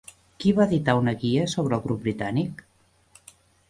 Qui va editar una guia sobre el grup britànic?